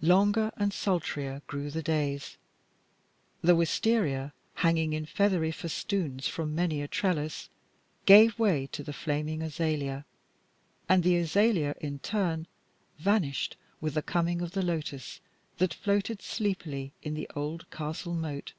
Longer and sultrier grew the days; the wistaria, hanging in feathery festoons from many a trellis, gave way to the flaming azalea, and the azalea in turn vanished with the coming of the lotus that floated sleepily in the old castle moat.